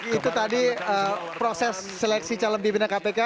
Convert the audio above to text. itu tadi proses seleksi calon pimpinan kpk